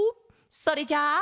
それじゃあ。